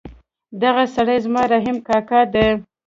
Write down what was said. دغه سړی زما رحیم کاکا ده